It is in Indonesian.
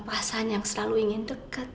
pasangan yang selalu ingin dekat